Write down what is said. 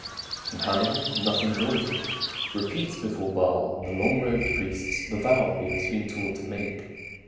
And Hannibal, nothing daunted, repeats before Baal and the long robed priests the vow he has been taught to make.